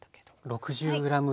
６０ｇ弱。